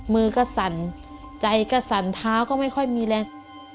มือก็สั่นใจก็สั่นเท้าก็ไม่ค่อยมีแรง